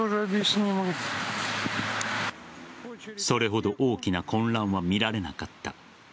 それほど大きな混乱は見られなかった。